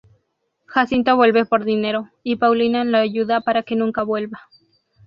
Jacinto vuelve por dinero, y Paulina lo ayuda para que nunca vuelva.